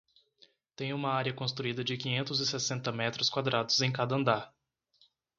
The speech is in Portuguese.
Tem uma área construída de quinhentos e sessenta metros quadrados em cada andar.